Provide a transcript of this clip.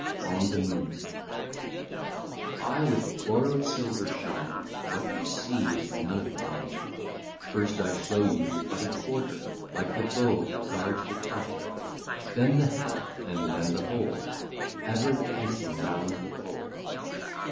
ON THE MOON I with borrow'd silver shine What you see is none of mine. First I show you but a quarter, Like the bow that guards the Tartar: Then the half, and then the whole, Ever dancing round the pole.